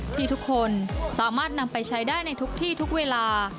ที่ทุกคนสามารถนำไปใช้ได้ในทุกที่ทุกเวลา